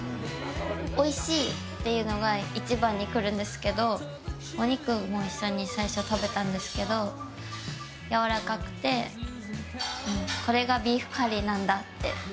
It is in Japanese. おいしいっていうのが一番に来るんですけどお肉も一緒に最初に食べたんですけどやわらかくてこれがビーフカリーなんだって。